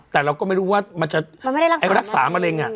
แต่เราก็ไม่รู้ว่ามันจะมันไม่ได้รักษามะเร็ง